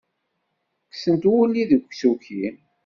Kessent wulli deg usuki.